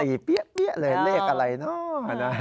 เปี๊ยะเลยเลขอะไรเนอะ